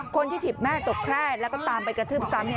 ถีบแม่ตกแคร่แล้วก็ตามไปกระทืบซ้ำ